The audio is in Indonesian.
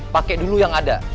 pake dulu yang ada